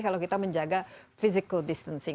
kalau kita menjaga physical distancing